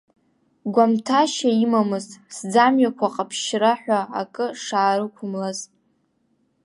Гәамҭашьа имамызт, сӡамҩақәа ҟаԥшьра ҳәа акы шаарықәымлаз.